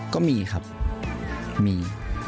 ก็มีครับมี